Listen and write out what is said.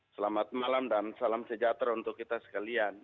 selamat malam dan salam sejahtera untuk kita sekalian